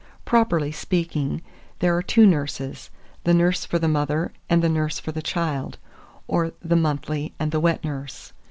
2437. Properly speaking, there are two nurses, the nurse for the mother and the nurse for the child, or, the monthly and the wet nurse.